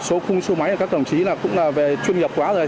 số khung số máy các đồng chí cũng là về chuyên nghiệp quá rồi